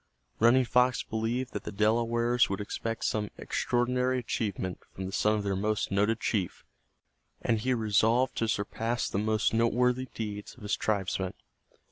Running Fox believed that the Delawares would expect some extraordinary achievement from the son of their most noted chief, and he resolved to surpass the most noteworthy deeds of his tribesmen.